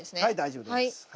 はい大丈夫です。